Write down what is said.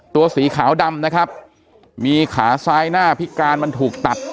ตัวสีขาวดำนะครับมีขาซ้ายหน้าพิการมันถูกตัด